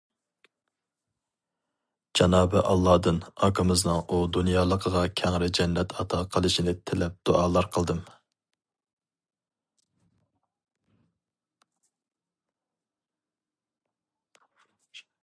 جانابى ئاللادىن ئاكىمىزنىڭ ئۇ دۇنيالىقىغا كەڭرى جەننەت ئاتا قىلىشىنى تىلەپ دۇئالار قىلدىم.